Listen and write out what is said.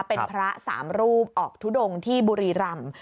เป็นพระสามรูปออกทุดงที่บุรีรำ